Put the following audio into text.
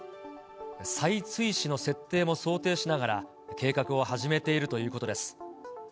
再追試の設定も想定しながら、計画を始めているということです。